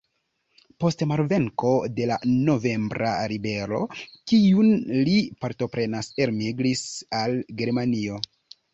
Post malvenko de la novembra ribelo, kiun li partoprenis, elmigris al Germanio.